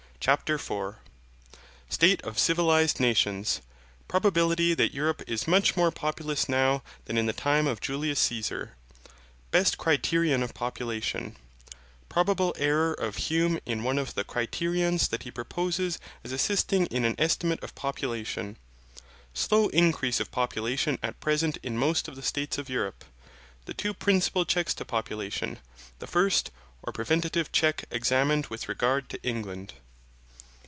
CHAPTER 4 State of civilized nations Probability that Europe is much more populous now than in the time of Julius Caesar Best criterion of population Probable error of Hume in one the criterions that he proposes as assisting in an estimate of population Slow increase of population at present in most of the states of Europe The two principal checks to population The first, or preventive check examined with regard to England.